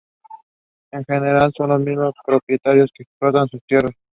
En general son los mismos propietarios los que explotan sus tierras.